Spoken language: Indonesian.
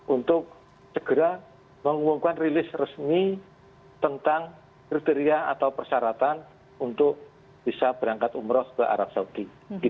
untuk segera mengumumkan rilis resmi tentang kriteria atau persyaratan untuk bisa berangkat umroh ke arab saudi